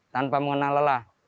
tanpa mengenal lelah